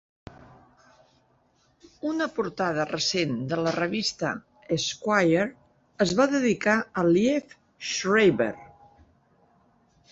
Una portada recent de la revista "Esquire" es va dedicar a Liev Schreiber.